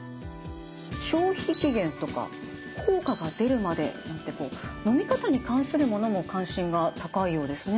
「消費期限」とか「効果が出るまで」なんてのみ方に関するものも関心が高いようですね。